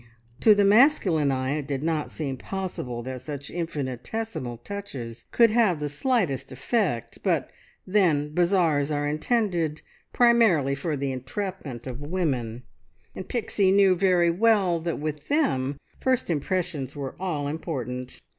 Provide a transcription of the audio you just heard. To the masculine eye it did not seem possible that such infinitesimal touches could have the slightest effect, but then bazaars are intended primarily for the entrapment of women, and Pixie knew very well that with them first impressions were all important.